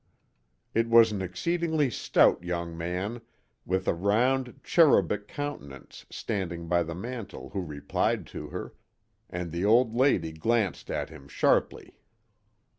It was an exceedingly stout young man with a round, cherubic countenance standing by the mantel who replied to her, and the old lady glanced at him sharply.